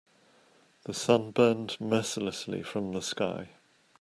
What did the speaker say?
The sun burned mercilessly from the sky.